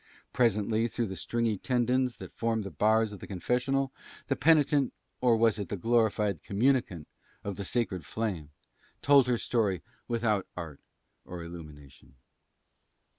Presently, through the stringy tendons that formed the bars of the confessional, the penitent or was it the glorified communicant of the sacred flame told her story without art or illumination.